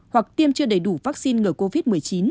hoặc tiêm chưa đầy đủ vaccine ngừa covid một mươi chín